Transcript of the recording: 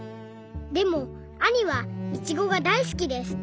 でもあにはイチゴがだい好きです。